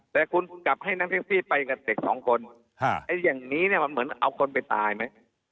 แต่คุณกลับให้น้ำเท็กซี่ไปกับเด็ก๒คนอย่างนี้เหมือนเอาคนไปตายไหม